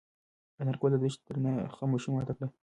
انارګل د دښتې درنه خاموشي ماته کړه.